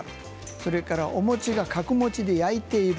それからお餅が角餅で焼いている。